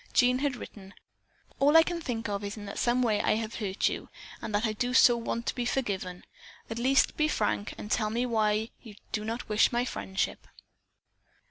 Jean had written: "All I can think of is that in some way I have hurt you, and that I do so want to be forgiven. At least, be frank and tell me just why you do not wish my friendship."